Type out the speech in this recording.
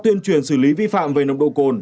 tuyên truyền xử lý vi phạm về nồng độ cồn